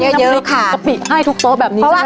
แล้วก็มีน้ำพริกกะปิให้ทุกโต๊ะแบบนี้ใช่ไหม